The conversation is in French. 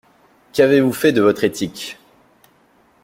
Qu’avez-vous fait de votre éthique?